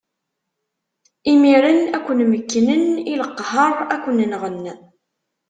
Imiren ad ken-mekknen i leqher, ad ken-nɣen.